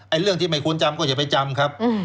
เรื่องที่ไม่ควรจำก็อย่าไปจำครับ